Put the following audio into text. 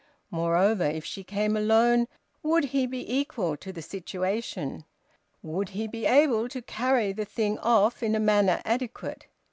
Moreover, if she came alone would he be equal to the situation? Would he be able to carry the thing off in a manner adequate?